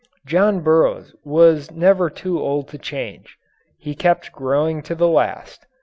John Burroughs was never too old to change. He kept growing to the last.